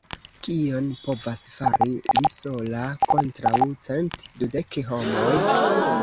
Kion povas fari li sola kontraŭ cent dudek homoj?